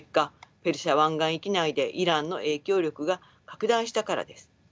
ペルシャ湾岸域内でイランの影響力が拡大したからです。